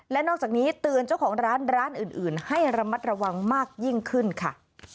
และนอกจากนี้เตือนเจ้าของร้านร้านอื่นให้ระมัดระวังมากยิ่งขึ้นค่ะ